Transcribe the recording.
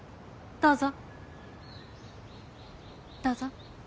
どうぞ。